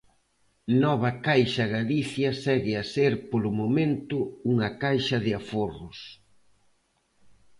Novacaixagalicia segue a ser, polo momento, unha caixa de aforros.